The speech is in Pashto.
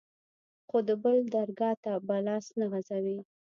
خو د بل درګا ته به لاس نه غځوې.